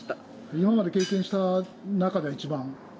今まで経験した中で一番？